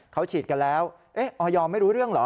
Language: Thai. เขาฉีดกันแล้วออยไม่รู้เรื่องเหรอ